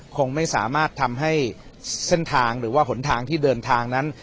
คงไม่สามารถทำให้เส้นทางหรือว่าหนทางที่เดินทางนั้น